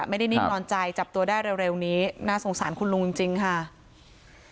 ไม่ได้นิดนอนใจจับตัวได้เร็วเร็วนี้น่าสงสารคุณลุงจริงจริงค่ะ